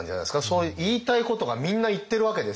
そういう言いたいことがみんな言ってるわけですよね。